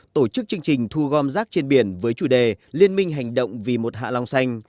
tổ chức chương trình thu gom rác trên biển với chủ đề liên minh hành động vì một hạ long xanh